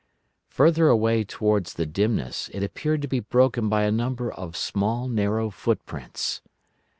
Further away towards the dimness, it appeared to be broken by a number of small narrow footprints.